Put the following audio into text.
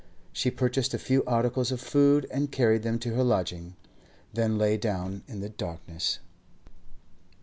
She purchased a few articles of food and carried them to her lodging, then lay down in the darkness.